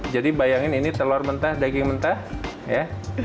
jadi bayangin ini telur mentah daging mentah ya